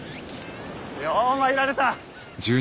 よう参られた。